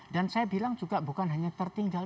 dan saya bilang juga bukan hanya tertinggal